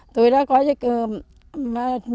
tôi đã có cái